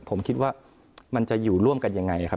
ผมคิดว่ามันจะอยู่ร่วมกันยังไงครับ